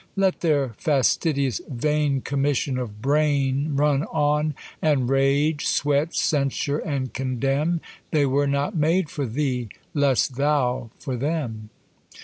Let their fastidious, vaine Commission of braine Run on, and rage, sweat, censure, and condemn; They were not made for thee, less thou for them.